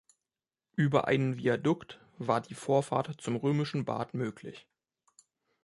Über einen Viadukt war die Vorfahrt zum römischen Bad möglich.